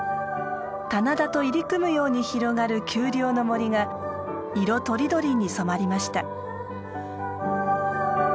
棚田と入り組むように広がる丘陵の森が色とりどりに染まりました。